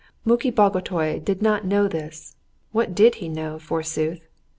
Muki Bagotay did not know this (what did he know, forsooth?)